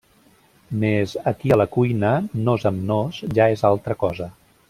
Mes, aquí a la cuina… nós amb nós, ja és altra cosa…